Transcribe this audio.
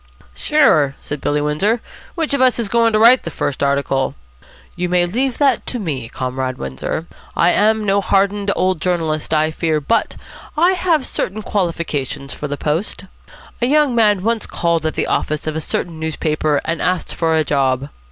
"Sure," said Billy Windsor. "Which of us is going to write the first article?" "You may leave it to me, Comrade Windsor. I am no hardened old journalist, I fear, but I have certain qualifications for the post. A young man once called at the office of a certain newspaper, and asked for a job.